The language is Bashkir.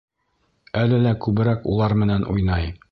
Әле лә күберәк улар менән уйнай.